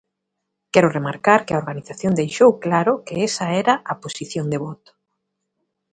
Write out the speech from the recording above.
Quero remarcar que a organización deixou claro que esa era a posición de voto.